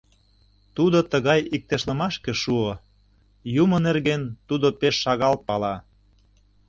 Тудо тыгай иктешлымашке шуо: Юмо нерген тудо пеш шагал пала.